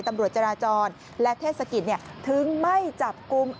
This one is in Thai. ตำรวจจราจรและเทศกิจถึงไม่จับกลุ่ม